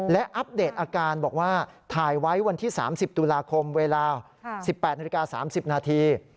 และอัปเดตอาการบอกว่าถ่ายไว้วันที่๓๐ตุลาคมเวลา๑๘นาฬิกา๓๐นาที